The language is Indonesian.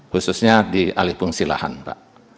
khususnya di alih fungsi lahan pak